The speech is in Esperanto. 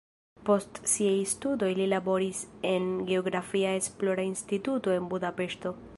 Post siaj studoj li laboris en geografia esplora instituto en Budapeŝto.